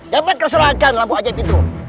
dapatkan suarakan lampu ajaib